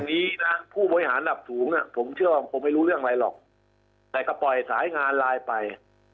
นี้นะผู้บริหารดับสูงผมเชื่อว่าผมไม่รู้เรื่องอะไรหรอกแต่ก็ปล่อยสายงานไลน์ไป